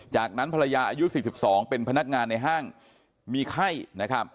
จากนั้นภรรยาอายุ๔๒เป็นพนักงานในห้างมีไข้นะครับ